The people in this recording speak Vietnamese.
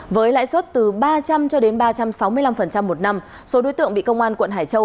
với lãi suất từ ba trăm linh cho đến ba trăm sáu mươi năm một năm số đối tượng bị công an quận hải châu